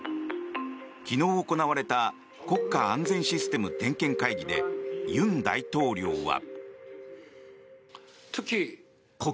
昨日行われた国家安全システム点検会議で尹大統領は。